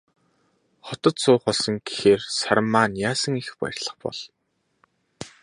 Хотод суух болсон гэхээр Саран маань яасан их баярлах бол.